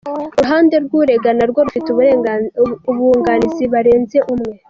Uruhande rw’urega narwo rufite abunganizi barenze umwe.